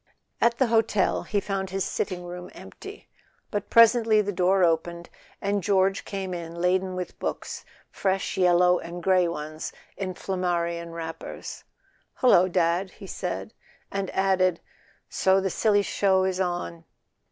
At the hotel he found his sitting room empty; but presently the door opened and George came in laden with books, fresh yellow and grey ones in Flammarion wrappers. "Hullo, Dad," he said; and added: "So the silly show is on."